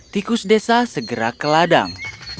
tikus desa segera ke ladang